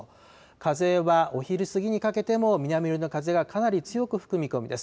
風はお昼過ぎにかけても南寄りの風がかなり強く吹く見込みです。